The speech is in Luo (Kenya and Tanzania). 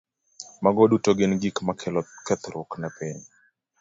Mago duto gin gik makelo kethruok ne piny.